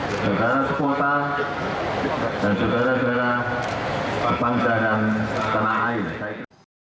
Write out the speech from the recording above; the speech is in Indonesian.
saudara saudara sekota dan saudara saudara bangsa dan tenaga air